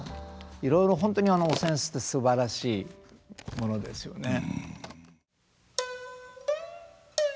いろいろ本当にお扇子ってすばらしいものですよね。